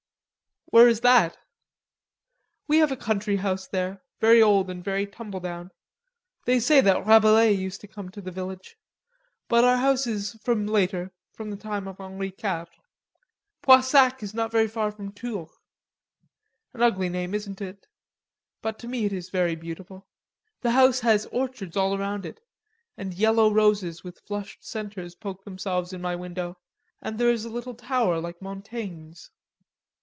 "Where is that?" "We have a country house there, very old and very tumbledown. They say that Rabelais used to come to the village. But our house is from later, from the time of Henri Quatre. Poissac is not far from Tours. An ugly name, isn't it? But to me it is very beautiful. The house has orchards all round it, and yellow roses with flushed centers poke themselves in my window, and there is a little tower like Montaigne's."